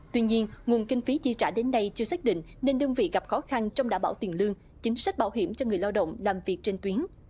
tuy nhiên nguồn kinh phí chi trả đến nay chưa xác định nên đơn vị gặp khó khăn trong đả bảo tiền lương chính sách bảo hiểm cho người lao động làm việc trên tuyến